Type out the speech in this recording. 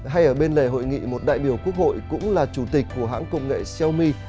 hay ở bên lề hội nghị một đại biểu quốc hội cũng là chủ tịch của hãng công nghệ xiaomi